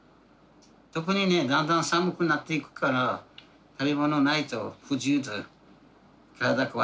特にねだんだん寒くなっていくから食べ物ないと不自由だ。